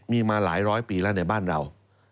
มีมาหลายร้อยปีแล้วในบ้านเรา